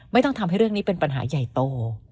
ทำให้เรื่องนี้เป็นปัญหาใหญ่โต